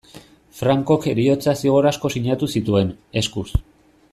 Francok heriotza-zigor asko sinatu zituen, eskuz.